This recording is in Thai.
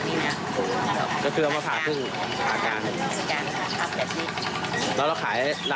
ไม่ทุกวันส่งอายุเนอะไหนเห็น